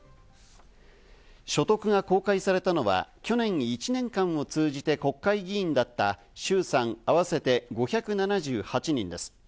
所得が公開されたのは去年１年間を通じて国会議員だった衆・参あわせて５７８人です。